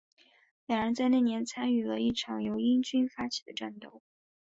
两人在那年参与了一场由英军发起的战斗。